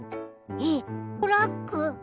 えっ？トラック？